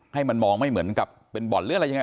ให้มันมองไม่เหมือนกับเป็นบ่อนหรืออะไรยังไง